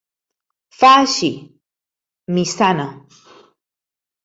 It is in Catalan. Fa així: «Mi sana.